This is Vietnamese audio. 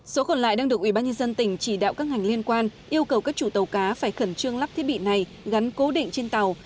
số còn lại đang được ủy ban nhân dân tỉnh chỉ đạo các ngành liên quan yêu cầu các chủ tàu cá phải khẩn trương lắp thiết bị này gắn cố định trên tàu